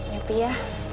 ya pi ya